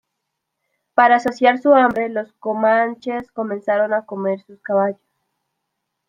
Para saciar su hambre, los comanches comenzaron a comer sus caballos.